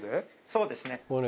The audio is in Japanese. そうですね。